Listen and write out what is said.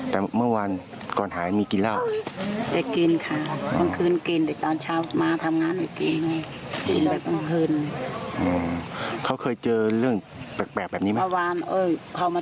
ตอนเช้าเขามาทำงานไงแบบทำงานธรรมดา